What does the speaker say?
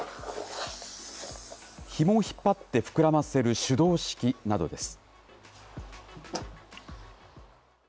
ひもを引っ張って膨らませる手動式などです。